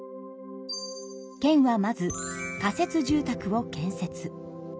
県はまず仮設住宅を建設。